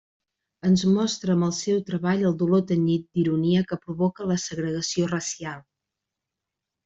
Ens mostra amb el seu treball el dolor tenyit d'ironia que provoca la segregació racial.